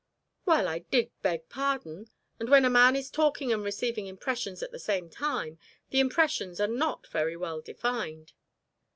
"Well, I did beg pardon. And when a man is talking and receiving impressions at the same time, the impressions are not very well defined."